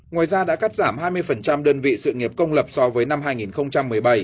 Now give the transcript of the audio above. ngoài ra đã cắt giảm hai mươi đơn vị sự nghiệp công lập so với năm hai nghìn một mươi bảy